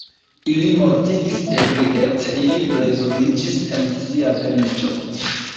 Ili mortigis ebriece, ili plezuriĝis en sia venĝo.